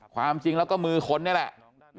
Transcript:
ความจริงแล้วก็มือคนนี่แหละ